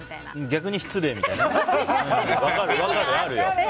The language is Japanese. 逆に失礼みたいなね。